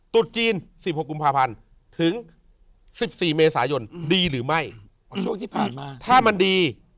จุดจีน๑๖กุมภาพันธ์ถึง๑๔เมษายนดีหรือไม่ช่วงที่ผ่านมาถ้ามันดี